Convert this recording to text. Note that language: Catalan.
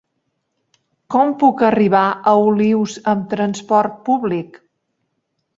Com puc arribar a Olius amb trasport públic?